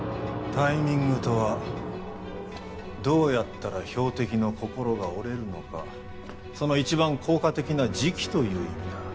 タイミングとはどうやったら標的の心が折れるのかその一番効果的な時期という意味だ。